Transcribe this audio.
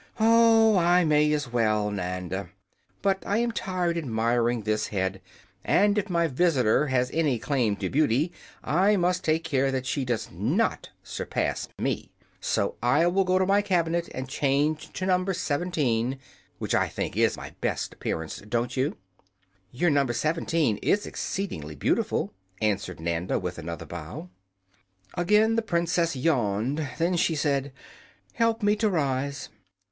"Oh, I may as well, Nanda. But I am tired admiring this head, and if my visitor has any claim to beauty I must take care that she does not surpass me. So I will go to my cabinet and change to No. 17, which I think is my best appearance. Don't you?" "Your No. 17 is exceedingly beautiful," answered Nanda, with another bow. Again the Princess yawned. Then she said: "Help me to rise."